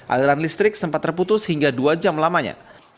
aliran listrik sempat terputus hingga dua jam lamanya